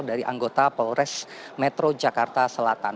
dari anggota polres metro jakarta selatan